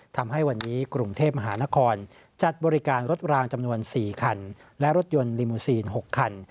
ทำให้วันนี้กรุงเทพมหานครจัดบริการรถรางจำนวน๔คันและรถยนต์ลิมูซีน๖คัน